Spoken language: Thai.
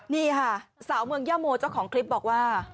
นี่ค่ะสาวเมืองย่าโมเจ้าของคลิปบอกว่า